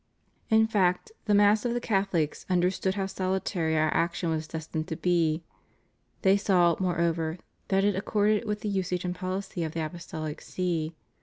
In fact, the mass of the Catholics understood how salutary Our action was destined to be; they saw, moreover, that it accorded with the usage and policy of the Apostolic See.